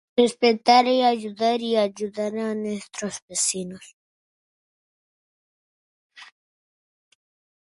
Despertar y ayudar y ayudar a nuestros vecinos.